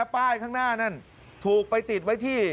ป้ายข้างหน้านั่นถูกไปติดไว้ที่